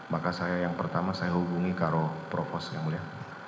maka saya yang pertama saya hubungi karo propos yang mulia